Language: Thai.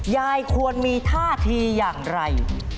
ยายควรมีท่าทีอย่างไร